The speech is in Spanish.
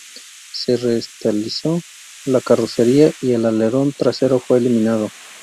Se re-estilizó la carrocería y el alerón trasero fue eliminado.